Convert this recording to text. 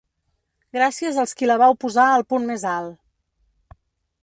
Gràcies als qui la vau posar al punt més alt.